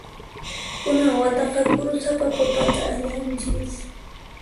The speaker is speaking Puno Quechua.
Kunan wataqa kurusapa papata allanchis.